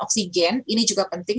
oksigen ini juga penting